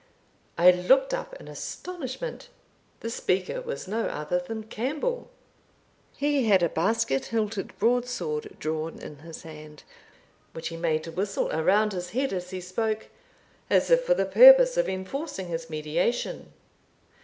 I looked up in astonishment. The speaker was no other than Campbell. He had a basket hilted broadsword drawn in his hand, which he made to whistle around his head as he spoke, as if for the purpose of enforcing his mediation.